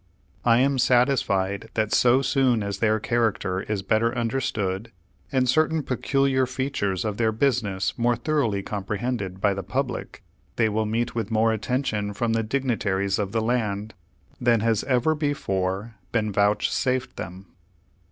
I am satisfied that so soon as their character is better understood, and certain peculiar features of their business more thoroughly comprehended by the public, they will meet with more attention from the dignitaries of the land than has ever before been vouchsafed them.